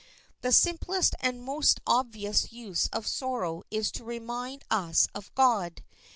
The simplest and most obvious use of sorrow is to remind us of God.